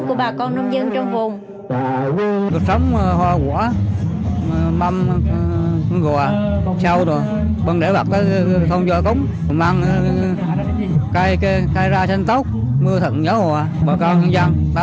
của bà con nông dân trong vùng